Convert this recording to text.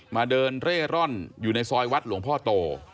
มาเดินเร่ร่อนอยู่ในซอยวัดหลวงพ่อโต